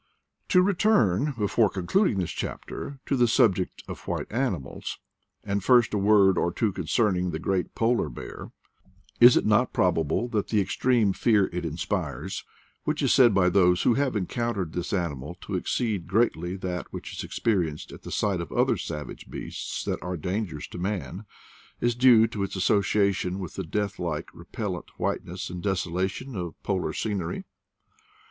To return, before concluding this chapter, to the subject of white animals. And first a word or two concerning the great polar bear: is it not probable that the extreme fear it inspires, which is said by those who have encountered this animal to exceed greatly that which is experienced at the sight of other savage beasts that are danger ous to man, is due to its association with the death like repellent whiteness and desolation of polar scenery?